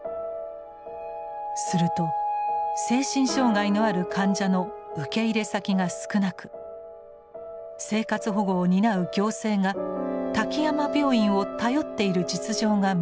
すると精神障害のある患者の受け入れ先が少なく生活保護を担う行政が滝山病院を頼っている実情が見えてきました。